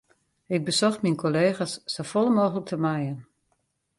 Ik besocht myn kollega's safolle mooglik te mijen.